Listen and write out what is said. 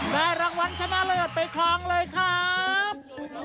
ได้รางวัลชนะเลิศไปครองเลยครับ